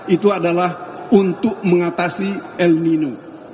itu adalah untuk mengatasi el nino